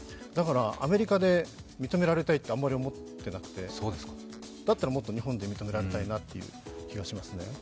だからアメリカで認められたいって、あんまり思ってなくて、だったらもっと日本で認められたいなという気がしますね。